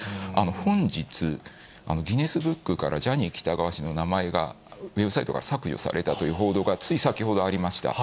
本日、ギネスブックからジャニー喜多川氏の名前が、ウェブサイトから削除されたという報道がつい先ほどありました。